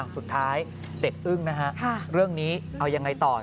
สุดท้ายเด็กอึ้งนะฮะเรื่องนี้เอายังไงต่อ